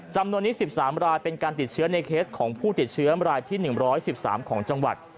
จำนวนนี้๑๓รายเป็นการติดเชื้อในเคสของผู้ติดเชื้อรายที่๑๑๓ของจังหวัด